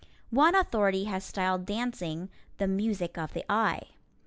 One authority has styled dancing "the music of the eye."